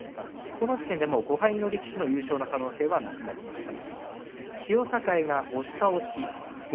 この時点で５敗の力士の優勝の可能性はなくなりました。